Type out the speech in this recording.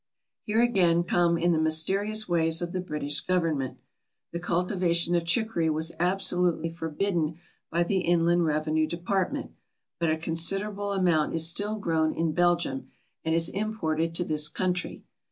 Here again come in the mysterious ways of the British Government. The cultivation of chicory was absolutely forbidden by the Inland Revenue Department; but a considerable amount is still grown in Belgium and is imported to this country.